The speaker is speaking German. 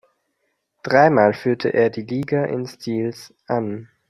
Dreimal führte er die Liga in Steals an.